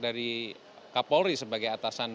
dari kapolri sebagai atasan